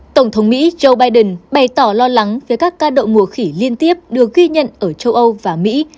tổng thống mỹ joe biden bày tỏ lo lắng về các ca đậu mùa khỉ liên tiếp được ghi nhận ở châu âu và mỹ